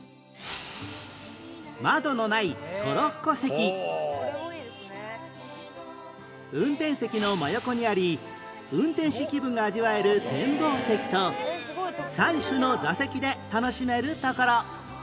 窓のない運転席の真横にあり運転士気分が味わえる展望席と３種の座席で楽しめるところ